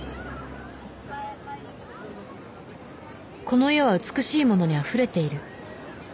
［この世は美しいものにあふれている。］